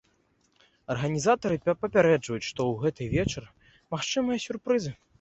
Арганізатары папярэджваюць, што ў гэты вечар магчымыя сюрпрызы.